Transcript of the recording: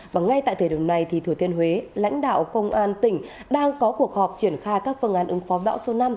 và ngay tại thời điểm này thì thừa thiên huế lãnh đạo công an tỉnh đang có cuộc họp triển khai các phương án ứng phó bão số năm